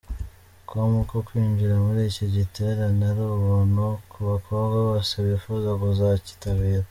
com ko kwinjira muri iki giterane ari ubuntu ku bakobwa bose bifuza kuzacyitabira.